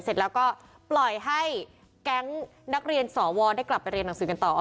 เสร็จแล้วก็ปล่อยให้แก๊งนักเรียนสวได้กลับไปเรียนหนังสือกันต่อ